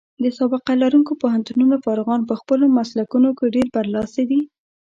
د سابقه لرونکو پوهنتونونو فارغان په خپلو مسلکونو کې ډېر برلاسي دي.